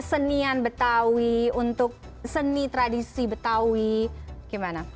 kesenian betawi untuk seni tradisi betawi gimana